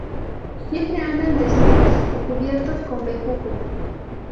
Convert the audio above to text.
Siempre andan desnudos o cubiertos con bejucos.